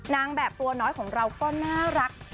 นางแบบตัวน้อยของเราก็น่ารัก